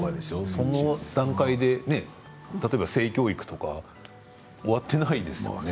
その段階で性教育とか終わっていないですよね。